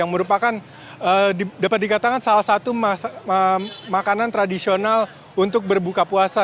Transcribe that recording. yang merupakan dapat dikatakan salah satu makanan tradisional untuk berbuka puasa